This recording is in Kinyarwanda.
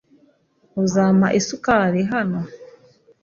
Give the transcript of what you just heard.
"Uzampa isukari?" "Hano."